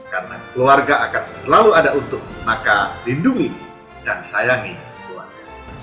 karena keluarga akan selalu ada untuk maka lindungi dan sayangi keluarga